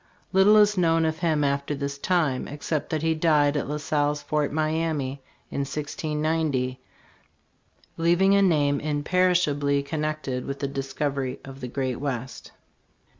Little is known of him after this time, except that he died at La Salle's Fort Miamis in 1690, leav ing a name imperishably connected with the discovery of the Great West.